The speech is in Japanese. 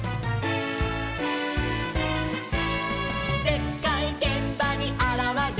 「でっかいげんばにあらわる！」